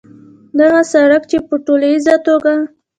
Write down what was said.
دغه سړک چې په ټولیزه توګه